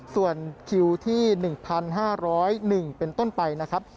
ส่วนคิวที่๑๕๐๑เป็นต้นไปนะครับ